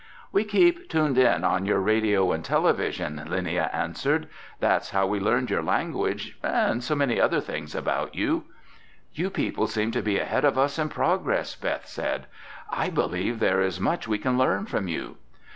"We keep tuned in on your radio and television," Linnia answered. "That's how we learned your language and so many other things about you." "You people seem to be ahead of us in progress," Beth said. "I believe there is much we can learn from you."